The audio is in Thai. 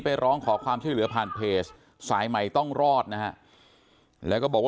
ร้องขอความช่วยเหลือผ่านเพจสายใหม่ต้องรอดนะฮะแล้วก็บอกว่า